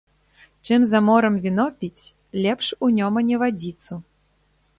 Чым за морам віно піць, лепш у Нёмане вадзіцу